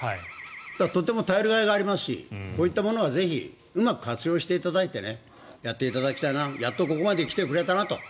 だからとっても頼りがいがありますしこういったものはうまく活用していただいてやっていただきたいなとやっとここまで来てくれたなと。